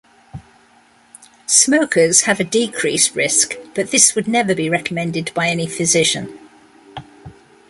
Smokers have a decreased risk, but this would never be recommended by any physician.